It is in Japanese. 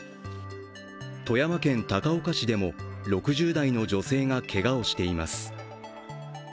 富山県高岡市でも６０代の女性がけがをしています。